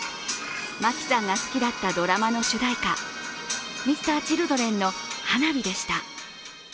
真樹さんが好きだったドラマの主題歌、Ｍｒ．Ｃｈｉｌｄｒｅｎの「ＨＡＮＡＢＩ」でした。